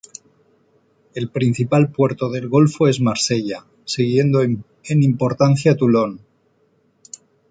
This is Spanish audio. El principal puerto del golfo es Marsella, siguiendo en importancia Toulon.